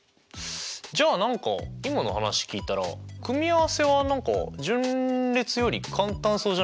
じゃあ何か今の話聞いたら組合せは何か順列より簡単そうじゃないですか？